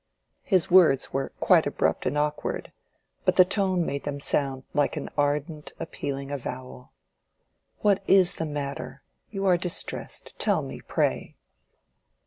His words were quite abrupt and awkward; but the tone made them sound like an ardent, appealing avowal. "What is the matter? you are distressed. Tell me, pray."